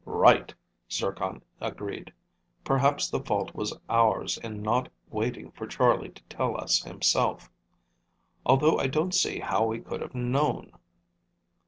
"Right," Zircon agreed. "Perhaps the fault was ours in not waiting for Charlie to tell us himself, although I don't see how we could have known."